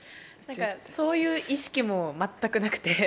そういう意識も全くなくて。